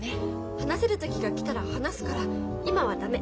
話せる時が来たら話すから今は駄目。